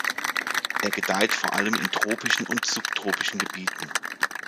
Er gedeiht vor allem in tropischen und subtropischen Gebieten.